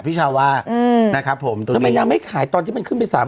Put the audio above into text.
พี่เฉาว่าอืมนะครับผมแล้วไม่ค่อยขายตอนที่มันขึ้นไปสาม